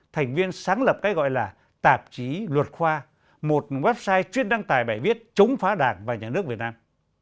thành viên sáng lập cái gọi là tạp chí luật khoa một website chuyên đăng tài bài viết chống phá đảng và nhà nước việt nam